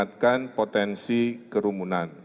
mengingatkan potensi kerumunan